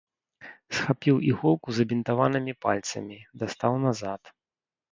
Схапіў іголку забінтаванымі пальцамі, дастаў назад.